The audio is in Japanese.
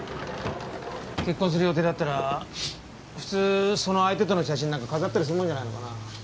結婚する予定だったら普通その相手との写真なんか飾ったりするもんじゃないのかな？